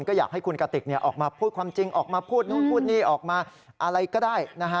ก็อยากให้คุณกติกออกมาพูดความจริงออกมาพูดนู่นพูดนี่ออกมาอะไรก็ได้นะฮะ